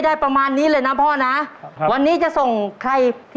ได้นะ